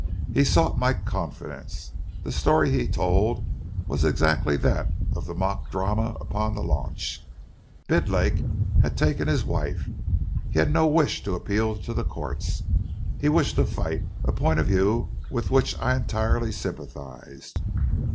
He sought my confidence. The story he told was exactly that of the mock drama upon the launch. Bidlake had taken his wife. He had no wish to appeal to the Courts. He wished to fight, a point of view with which I entirely sympathised.